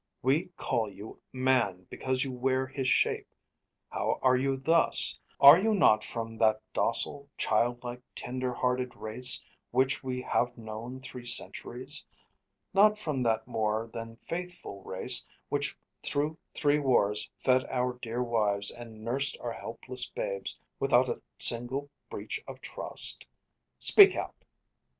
We call you man because you wear His shape How are you thus? Are you not from That docile, child like, tender hearted race Which we have known three centuries? Not from That more than faithful race which through three wars Fed our dear wives and nursed our helpless babes Without a single breach of trust? Speak out!